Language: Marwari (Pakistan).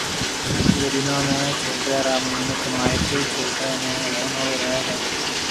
ايئيَ ڏنون ۾ ڇوڪرَي را مِٽ مائيٽ ڇوڪرَي نيَ ونوݪو ڏَي ھيََََ